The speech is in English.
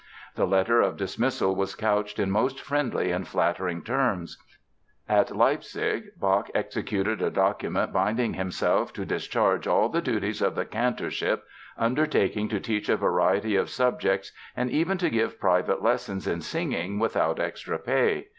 The letter of dismissal was couched in most friendly and flattering terms. At Leipzig Bach executed a document binding himself to discharge all the duties of the Cantorship, undertaking to teach a variety of subjects and even to give private lessons in singing without extra pay.